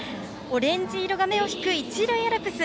オレンジ色が目を引く一塁アルプス。